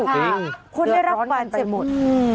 เดือดร้อนกันไปหมด